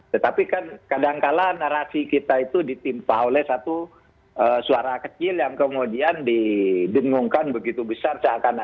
tetapi kan kadang kadang narasi kita itu ditimpa oleh satu suara kecil yang kemudian didengungkan begitu besar